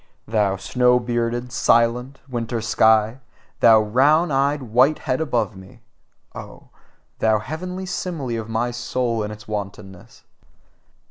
Thou snow bearded, silent, winter sky, thou round eyed whitehead above me! Oh, thou heavenly simile of my soul and its wantonness!